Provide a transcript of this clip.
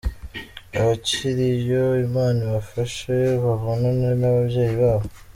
Abakiriyo- Imana ibafashe babonane n'ababyeyi babo.